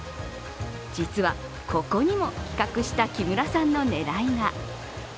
実は、ここにも企画した木村さんの狙いが。